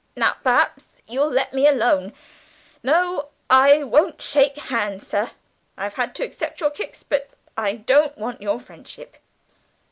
Now, perhaps, you'll let me alone. No, I won't shake hands, sir. I've had to accept your kicks, but I don't want your friendship."